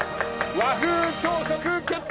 和風朝食決定！